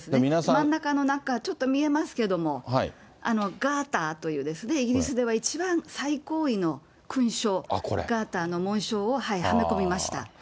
真ん中の、なんか、ちょっと見えますけど、ガーターというですね、イギリスでは一番最高位の勲章、ガーターの紋章をはめ込みました。